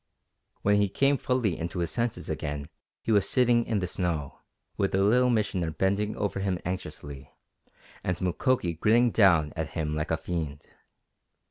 When he came fully into his senses again he was sitting in the snow, with the Little Missioner bending over him anxiously, and Mukoki grinning down at him like a fiend.